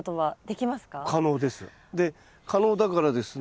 可能です。